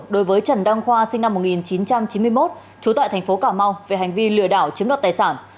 đối với trần đăng khoa sinh năm một nghìn chín trăm chín mươi một trú tại thành phố cà mau về hành vi lừa đảo chiếm đoạt tài sản